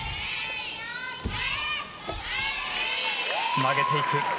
つなげていく。